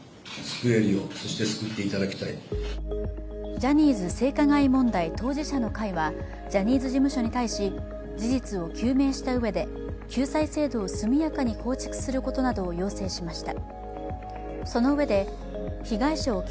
ジャニーズ性加害問題当事者の会はジャニーズ事務所に対し、事実を究明したうえで救済制度を速やかに構築することなどを要請しました。